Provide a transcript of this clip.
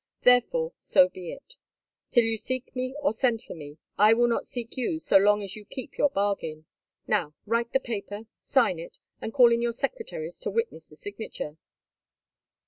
Therefore, so be it. Till you seek me or send for me, I will not seek you so long as you keep your bargain. Now write the paper, sign it, and call in your secretaries to witness the signature."